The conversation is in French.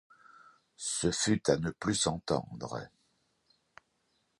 Ce fut à ne plus s'entendre.